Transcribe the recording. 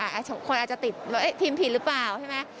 คนอาจจะติดว่าทีมผิดหรือเปล่าใช่ไหม